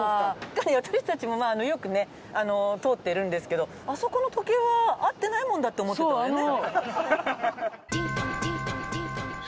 私たちもよくね通ってるんですけどあそこの時計は合ってないもんだって思ってたわよね？